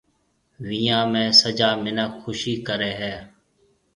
ويهان ۾ سجا مِنک خُوشِي ڪريَ هيَ۔